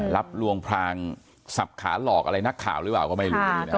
ลวงพรางสับขาหลอกอะไรนักข่าวหรือเปล่าก็ไม่รู้นะครับ